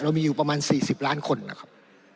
มีอยู่ประมาณ๔๐ล้านคนนะครับ